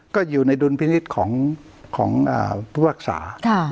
ก็อยู่ในดุลพินิษฐ์ของผู้พักษา